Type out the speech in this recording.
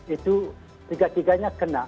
itu tiga tiganya kena